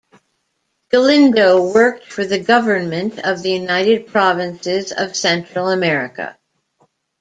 Galindo worked for the government of the United Provinces of Central America.